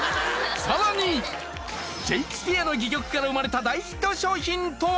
さらにシェイクスピアの戯曲から生まれた大ヒット商品とは⁉